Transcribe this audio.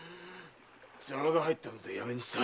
邪魔が入ったのでやめにした。